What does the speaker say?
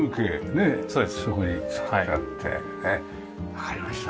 わかりました。